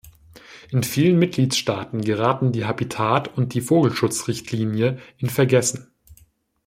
In vielen Mitgliedstaaten geraten die Habitat- und die Vogelschutz-Richtlinie in Vergessen.